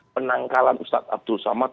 penangkalan ustadz abdul somad